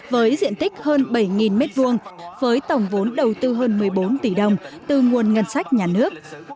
với diện tích hơn bảy m hai với tổng vốn đầu tư hơn một mươi bốn tỷ đồng từ nguồn ngân sách nhà nước